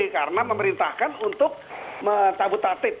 karena memerintahkan untuk mencabut tatib